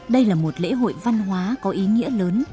đây là một lễ hội văn hóa có ý nghĩa lớn